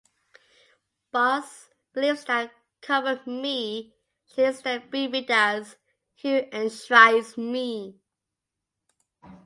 Moss believes that "covered me" should instead be read as "who enshrines me".